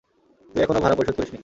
তুই এখনো ভাড়া পরিশোধ করিস নি।